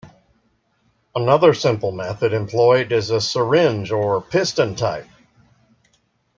Another simple method employed is a syringe or piston type.